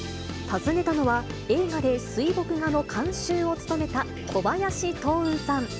訪ねたのは、映画で水墨画の監修を務めた小林東雲さん。